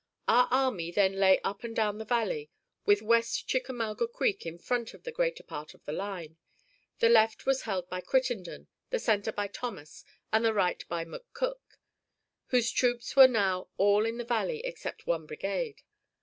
Our army then lay up and down the valley, with West Chickamauga Creek in front of the greater part of the line. The left was held by Crittenden, the center by Thomas, and the right by McCook, whose troops were now all in the valley except one brigade.